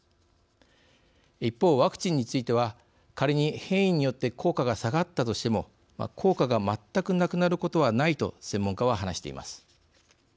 一方、ワクチンについては仮に変異によって効果が下がったとしても「効果が全くなくなることはない」と専門家は話しています。